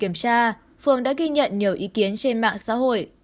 phường đã ghi nhận nhiều ý kiến trên mạng xã hội